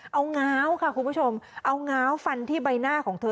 เอาง้าวค่ะคุณผู้ชมเอาง้าวฟันที่ใบหน้าของเธอ